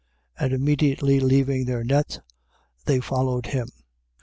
1:18. And immediately leaving their nets, they followed him.